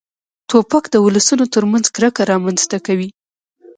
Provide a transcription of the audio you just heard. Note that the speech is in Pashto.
توپک د ولسونو تر منځ کرکه رامنځته کوي.